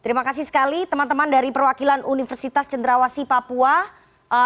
ya terima kasih sekali teman teman dari perwakilan universitas cenderawasi papua sudah mau bergabung